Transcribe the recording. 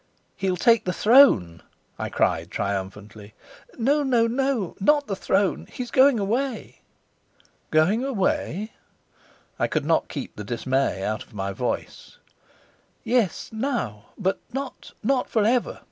"He'll take the throne," I cried triumphantly. "No, no, no. Not the throne. He's going away." "Going away!" I could not keep the dismay out of my voice. "Yes, now. But not not for ever.